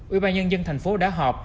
ủy ban nhân dân thành phố đã họp